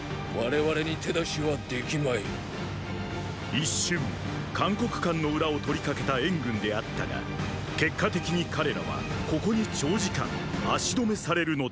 一瞬函谷関の裏を取りかけた燕軍であったが結果的に彼らはここに長時間足留めされるのである。